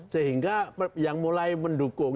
sehingga yang mulai mendukung